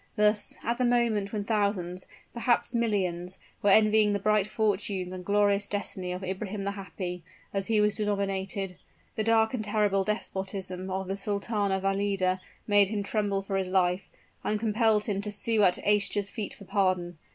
Thus, at the moment when thousands perhaps millions, were envying the bright fortunes and glorious destiny of Ibrahim the Happy, as he was denominated the dark and terrible despotism of the Sultana Valida made him tremble for his life, and compelled him to sue at Aischa's feet for pardon.